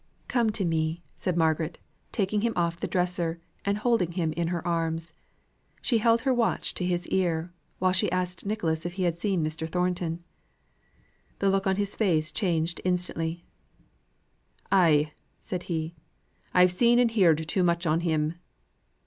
"Come to me," said Margaret, taking him off the dresser, and holding him in her arms; she held her watch to his ear, while she asked Nicholas if he had seen Mr. Thornton. The look on his face changed instantly. "Ay!" said he. "I've seen and heerd too much on him."